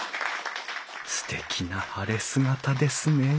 すてきな晴れ姿ですねえ。